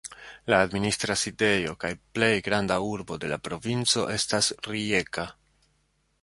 La administra sidejo kaj plej granda urbo de la provinco estas Rijeka.